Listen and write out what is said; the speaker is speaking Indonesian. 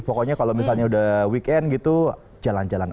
pokoknya kalau misalnya udah weekend gitu jalan jalan